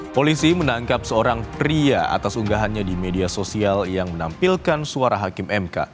polisi menangkap seorang pria atas unggahannya di media sosial yang menampilkan suara hakim mk